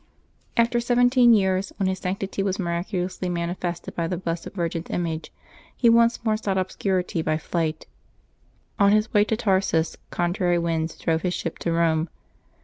After sev^[it€en years, when his sanctity was miraculously manifested by the Blessed Virgin's image, he once more sought obscurity by flight. On his way to Tarsus contrary winds drove his ship to Rome.